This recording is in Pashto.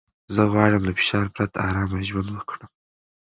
زه غواړم له فشار پرته ارامه ژوند وکړم.